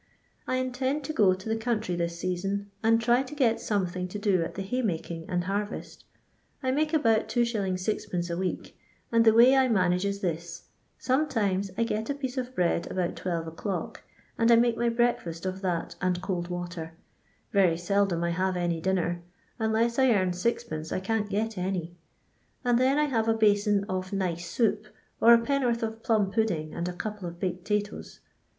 I intend to go to the country this season, and try to get something to do at the hay making and harvest I make about 2t, 6d. a week, and the way I manage is this : sometimes I get a piece of bread about 12 o'clock, and I make my break£sst of that and cold water ; Tery seldom I have any dinner, — unless I earn Od. I can't get any, — and then I have a basin of nice soup, or a penn'orth of plum pudding and a couple of buked 'tatoos.